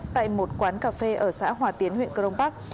tại một quán cà phê ở xã hòa tiến huyện cờ đông bắc